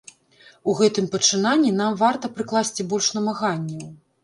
У гэтым пачынанні нам варта прыкласці больш намаганняў.